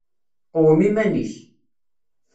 Qwem iman-ik.